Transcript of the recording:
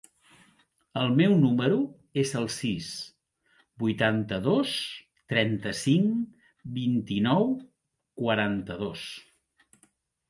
El meu número es el sis, vuitanta-dos, trenta-cinc, vint-i-nou, quaranta-dos.